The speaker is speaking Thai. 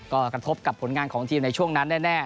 ก็กระทบกับผลงานของทีมในช่วงนั้นแน่